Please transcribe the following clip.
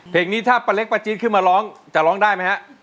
เพลงนี้ถ้าป้าเล็กป้าจี๊ดขึ้นมาร้องจะร้องได้ไหมฮะ